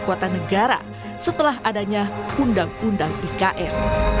kekuatan negara setelah adanya undang undang ikn